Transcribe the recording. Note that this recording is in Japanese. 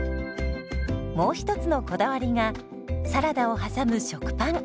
もう一つのこだわりがサラダを挟む食パン。